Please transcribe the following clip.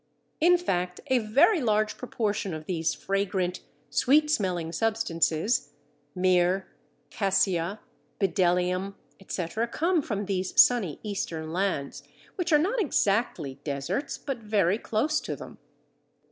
In fact a very large proportion of these fragrant sweet smelling substances, Myrrh, Cassia, Bdellium, etc., come from these sunny Eastern lands, which are not exactly deserts but very close to them.